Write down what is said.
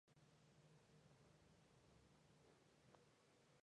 En sus orígenes, todo el parque estaba en el área alrededor del Patterson Creek.